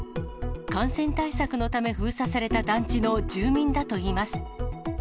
感染対策のため封鎖された団地の住民だといいます。